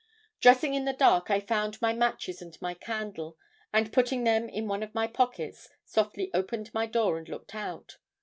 "Dressing in the dark, I found my matches and my candle and, putting them in one of my pockets, softly opened my door and looked out.